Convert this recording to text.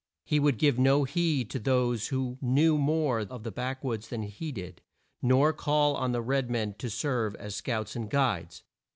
He would give no heed to those who knew more of the back woods than he did, nor call on the red men to serve as scouts and guides.